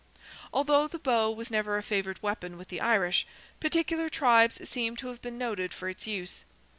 Although the bow was never a favourite weapon with the Irish, particular tribes seem to have been noted for its use.